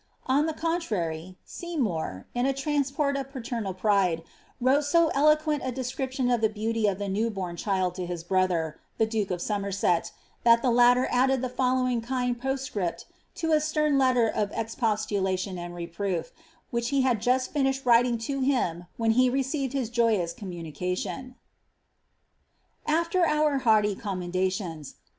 On tin contrary, Seymour, in a transport of paternal pride, wrote so elo quent a description of the beauty of the new born child to his brother, ifB duke of Somerset, that the latter added the following kind postscript lo a stem letter of expostulation and reproof, which he had just finished writing to him when he received his joyous communication :—' Strjpe's Memorials. Latimer*s Sermons.